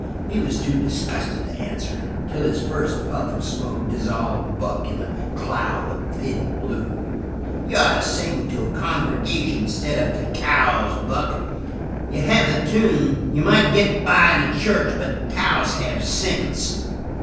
He was too disgusted to answer, until his first puff of smoke dissolved Buck in a cloud of thin blue. "You ought to sing to a congregation instead of to cows, Buck. You have the tune, and you might get by in a church; but cows have sense."